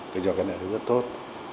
cái do cái này rất tốt